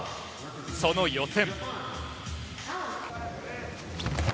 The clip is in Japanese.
その予選。